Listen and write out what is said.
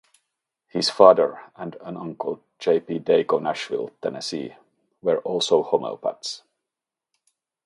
His father and an uncle, J. P. Dake of Nashville, Tennessee, were also homeopaths.